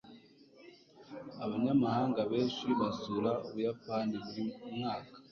Abanyamahanga benshi basura Ubuyapani buri mwaka.